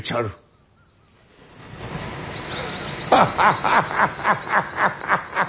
ハハハハハハハ。